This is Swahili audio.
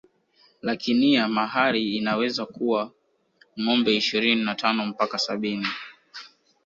Lakinia mahali inaweza kuwa ngombe ishirini na tano mpaka sabini